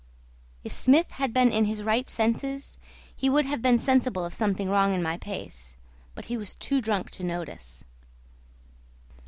If Smith had been in his right senses he would have been sensible of something wrong in my pace, but he was too drunk to notice.